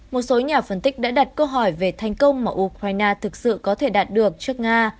một số nhà phân tích đã đặt câu hỏi về thành công mà ukraine thực sự có thể đạt được trước nga